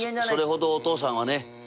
それほどお父さんはね